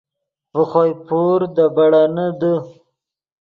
ڤے خوئے پور دے بیڑینے دے